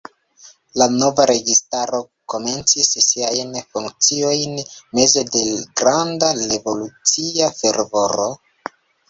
La nova registaro komencis siajn funkciojn meze de granda revolucia fervoro.